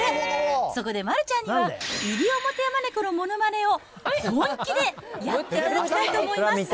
そこで丸ちゃんには、イリオモテヤマネコのものまねを、本気でやっていただきたいと思います。